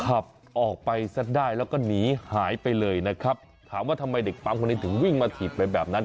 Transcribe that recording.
ขับออกไปซะได้แล้วก็หนีหายไปเลยนะครับถามว่าทำไมเด็กปั๊มคนนี้ถึงวิ่งมาถีบไปแบบนั้น